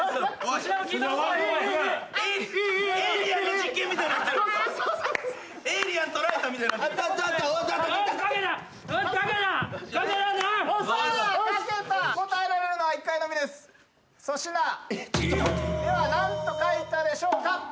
粗品では何と書いたでしょうか？